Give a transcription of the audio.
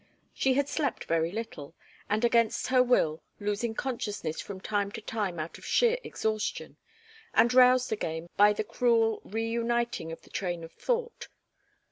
She had slept very little, and against her will, losing consciousness from time to time out of sheer exhaustion, and roused again by the cruel reuniting of the train of thought.